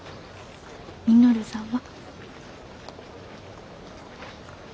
稔さんは？